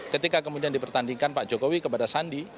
ketika kemudian dipertandingkan pak jokowi kepada sandi